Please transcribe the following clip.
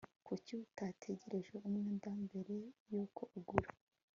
kuki utagerageje umwenda mbere yuko ugura